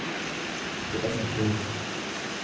kudha saddeet